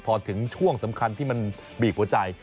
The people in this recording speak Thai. พอถึงช่วงสำคัญที่มันบีบหัวใจ